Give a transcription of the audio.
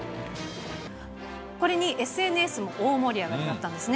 これにＳＮＳも大盛り上がりだったんですね。